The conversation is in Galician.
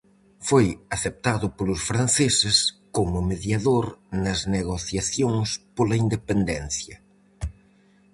Foi aceptado polos franceses como mediador nas negociacións pola independencia.